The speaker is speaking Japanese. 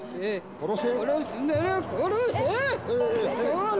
殺せ。